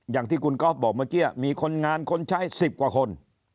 อย่างที่คุณก๊อฟบอกเมื่อกี้มีคนงานคนใช้๑๐กว่าคน